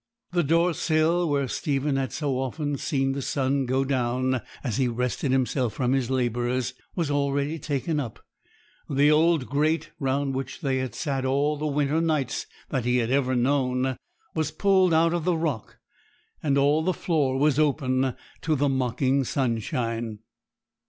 The door sill, where Stephen had so often seen the sun go down as he rested himself from his labours, was already taken up; the old grate, round which they had sat all the winter nights that he had ever known, was pulled out of the rock; and all the floor was open to the mocking sunshine.